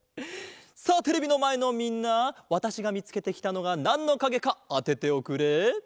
さあテレビのまえのみんなわたしがみつけてきたのがなんのかげかあてておくれ。